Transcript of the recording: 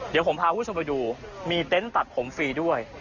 เดี๋ยวผมพาคุณผู้ชมไปดูมีเต็นต์ตัดผมฟรีด้วย